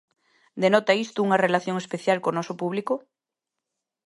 Denota isto unha relación especial co noso público?